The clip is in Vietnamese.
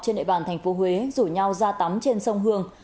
trên đại bàn tp hcm rủ nhau ra tắm trên sông hương